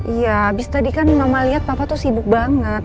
iya abis tadi kan mama lihat papa tuh sibuk banget